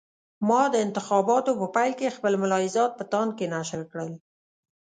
ما د انتخاباتو په پیل کې خپل ملاحضات په تاند کې نشر کړل.